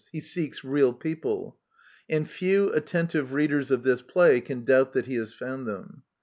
He seeks real people. And few attentive readers of this play can doubt that he has found them.